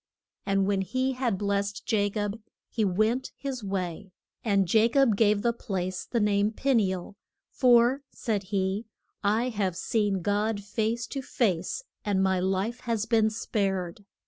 And when he had blest Ja cob he went his way. And Ja cob gave the place the name of Pe ni el, for, said he, I have seen God face to face and my life has been spared.